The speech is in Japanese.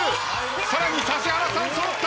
さらに指原さん揃った。